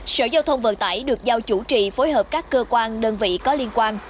sở giao thông vận tải được giao chủ trì phối hợp các cơ quan đơn vị có liên quan